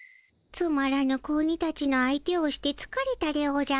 つまらぬ子鬼たちの相手をしてつかれたでおじゃる。